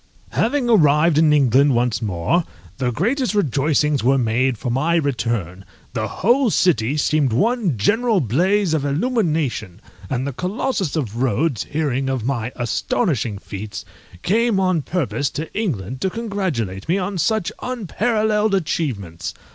_ Having arrived in England once more, the greatest rejoicings were made for my return; the whole city seemed one general blaze of illumination, and the Colossus of Rhodes, hearing of my astonishing feats, came on purpose to England to congratulate me on such unparalleled achievements.